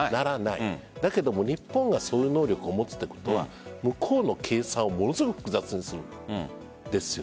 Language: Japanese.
でも日本がその能力を持つということは向こうの計算をものすごく複雑にするんです。